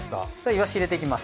イワシ入れていきます。